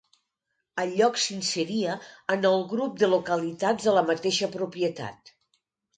El lloc s'inseria en el grup de localitats de la mateixa propietat.